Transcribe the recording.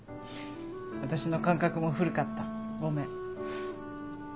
私の感覚も古かったごめん。